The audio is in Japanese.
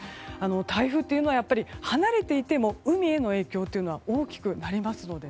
台風っていうのは離れていても海への影響は大きくなりますので。